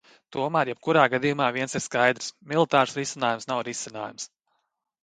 Tomēr jebkurā gadījumā viens ir skaidrs: militārs risinājums nav risinājums.